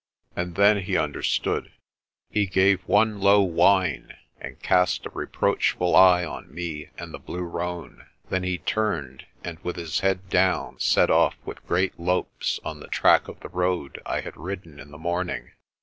And then he understood. He gave one low whine, and cast a reproachful eye on me and the blue roan. Then he turned, and with his head down set off with great lopes on the track of the road I had ridden in the morning.